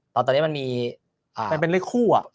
ตอนนี้มันมีมันเป็นเลขคู่